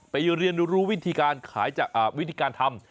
ไปเรียนรู้วิธีการทำ